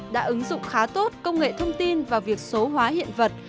đã ứng dụng khá tốt công nghệ thông tin vào việc số hóa hiện vật